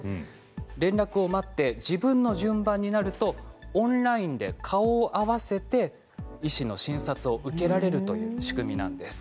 連絡を待って、自分の順番になるとオンラインで顔を合わせて医師の診察を受けられるという仕組みなんです。